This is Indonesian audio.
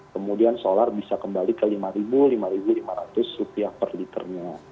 kemudian solar bisa kembali ke rp lima lima ratus per liternya